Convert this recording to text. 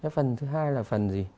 phần thứ hai là phần gì